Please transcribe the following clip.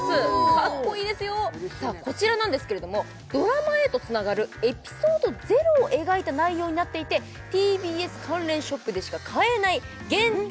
カッコイイですよさあこちらなんですけれどもドラマへとつながるＥｐｉｓｏｄｅ．０を描いた内容になっていてＴＢＳ関連ショップでしか買えない限定